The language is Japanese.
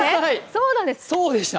そうでした！